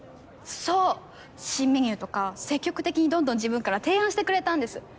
そう新メニューとか積極的にどんどん自分から提案してくれたんです。